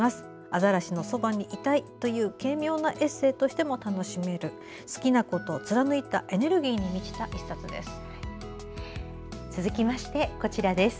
アザラシのそばにいたいという軽妙なエッセーとしても楽しめる好きなことを貫いたエネルギーに満ちた１冊です。